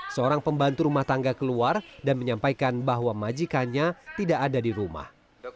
seorang pembantu rumah tangga keluar dan menyampaikan bahwa majikannya tidak ada di rumah